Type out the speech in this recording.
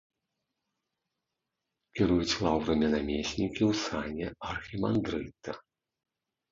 Кіруюць лаўрамі намеснікі ў сане архімандрыта.